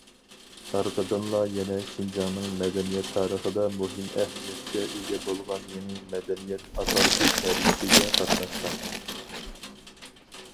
ئارقىدىنلا يەنە شىنجاڭنىڭ مەدەنىيەت تارىخىدا مۇھىم ئەھمىيەتكە ئىگە بولغان يېڭى مەدەنىيەت ئاقارتىش ھەرىكىتىگە قاتناشقان.